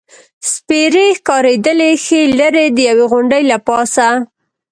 سپېرې ښکارېدلې، ښه لرې، د یوې غونډۍ له پاسه.